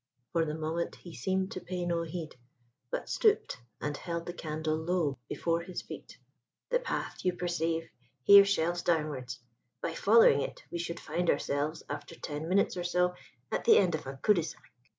For the moment he seemed to pay no heed, but stooped and held the candle low before his feet. "The path, you perceive, here shelves downwards. By following it we should find ourselves, after ten minutes or so, at the end of a cul de sac.